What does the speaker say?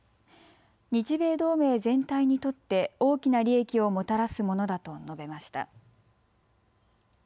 日米同盟全体にとって大きな利益をもたらすものだと述べました。